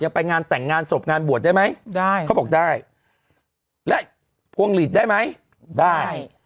ไปงานแต่งงานศพงานบวชได้ไหมได้เขาบอกได้และพวงหลีดได้ไหมได้